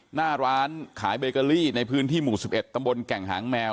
หน้าร้านขายเบเกอรี่ในพื้นที่หมู่๑๑ตำบลแก่งหางแมว